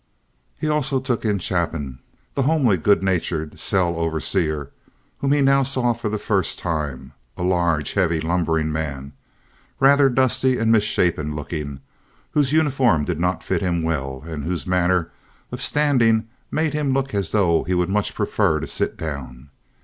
He also took in Chapin, the homely, good natured, cell overseer whom he now saw for the first time—a large, heavy, lumbering man, rather dusty and misshapen looking, whose uniform did not fit him well, and whose manner of standing made him look as though he would much prefer to sit down.